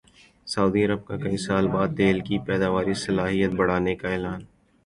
سعودی عرب کا کئی سال بعد تیل کی پیداواری صلاحیت بڑھانے کا اعلان